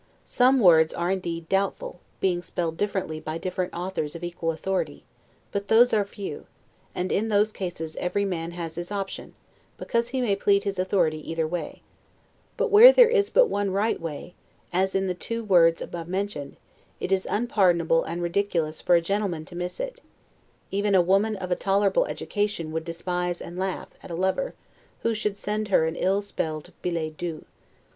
Some words are indeed doubtful, being spelled differently by different authors of equal authority; but those are few; and in those cases every man has his option, because he may plead his authority either way; but where there is but one right way, as in the two words above mentioned, it is unpardonable and ridiculous for a gentleman to miss it; even a woman of a tolerable education would despise and laugh, at a lover, who should send her an ill spelled billet doux.